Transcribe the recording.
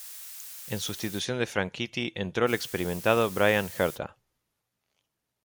En sustitución de Franchitti entró el experimentado Bryan Herta.